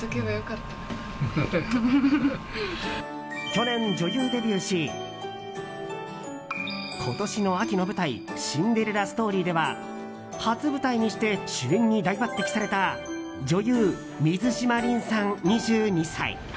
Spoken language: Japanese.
去年、女優デビューし今年の秋の舞台「シンデレラストーリー」では初舞台にして主演映画に大抜擢された女優・水嶋凜さん、２２歳。